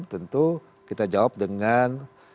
tentu kita jawab dengan